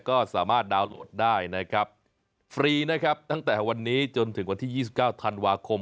ก็สามารถดาวน์โหลดได้นะครับฟรีนะครับตั้งแต่วันนี้จนถึงวันที่๒๙ธันวาคม